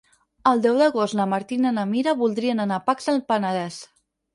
El deu d'agost na Martina i na Mira voldrien anar a Pacs del Penedès.